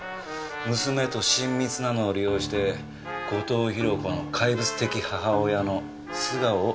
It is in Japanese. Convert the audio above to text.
娘と親密なのを利用して後藤宏子の怪物的母親の素顔を暴いた。